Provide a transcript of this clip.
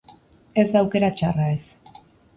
Ez da aukera txarra, ez.